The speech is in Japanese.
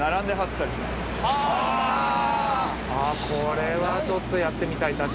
これはちょっとやってみたい